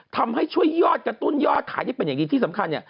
ทำให้ช่วยยอดกระตุ้นยอดขายได้เป็นอย่างดีที่สำคัญเนี่ย